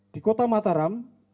di kota mataram